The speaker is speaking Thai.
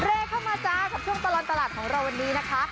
เลขเข้ามาจ้ากับช่วงตลอดตลาดของเราวันนี้นะคะ